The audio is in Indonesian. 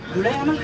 duluan ya bang